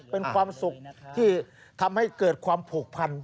เป็นความสุขที่ทำให้เกิดความผูกพัน